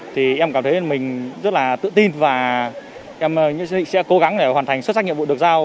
thì em cảm thấy mình rất là tự tin và sẽ cố gắng để hoàn thành xuất sắc nhiệm vụ được giao